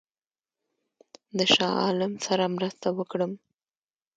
د شاه عالم سره مرسته وکړم.